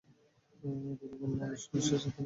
গুরু কোনো মানুষ নয়, সে সাক্ষাত নরপিশাচ!